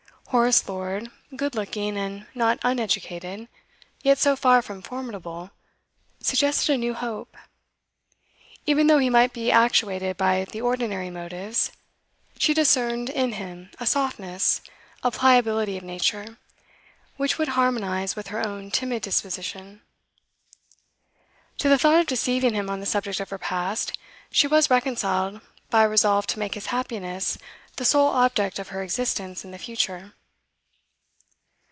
Horace Lord, good looking and not uneducated, yet so far from formidable, suggested a new hope; even though he might be actuated by the ordinary motives, she discerned in him a softness, a pliability of nature, which would harmonise with her own timid disposition. To the thought of deceiving him on the subject of her past, she was reconciled by a resolve to make his happiness the sole object of her existence in the future.